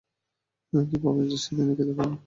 কিভাবেই বা সে দিনে খেতে ও পান করতে পারে?